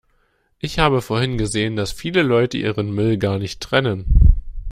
Ich habe vorhin gesehen, dass viele Leute ihren Müll gar nicht trennen.